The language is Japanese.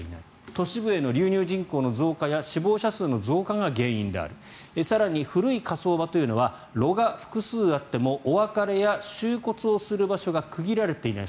都市部への流入人口の増加や死亡者数の増加が原因である更に、古い火葬場というのは炉が複数あってもお別れや収骨をする場所が区切られていない。